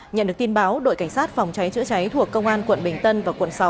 nhận được tin báo đội cảnh sát phòng cháy chữa cháy thuộc công an quận bình tân và quận sáu